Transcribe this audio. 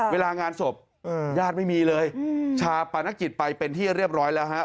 เวลางานศพญาติไม่มีเลยชาปนกิจไปเป็นที่เรียบร้อยแล้วฮะ